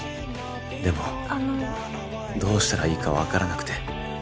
でもどうしたらいいかわからなくて